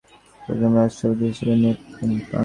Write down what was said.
তিনি প্রধান রাজ স্থপতি হিসেবে নিয়োগপ্রাপ্ত হন।